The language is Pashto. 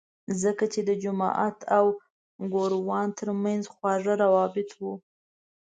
ځکه چې د جومات او ګوروان ترمنځ خواږه روابط وو.